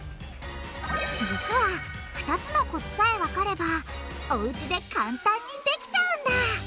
実は２つのコツさえわかればおうちで簡単にできちゃうんだ。